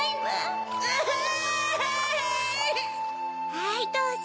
はいどうぞ。